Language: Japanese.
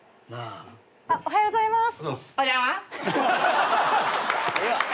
おはようございます。